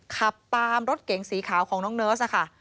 ขับตามรถเก๋งสีขาวของน้องเนิร์สค่ะ